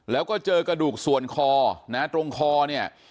แล้วก็เจอกระดูกส่วนคอนะตรงคอเนี่ย